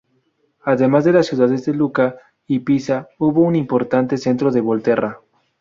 Además de las ciudades de Lucca y Pisa hubo un importante centro en Volterra.